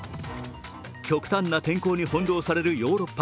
極端な天候に翻弄されるヨーロッパ。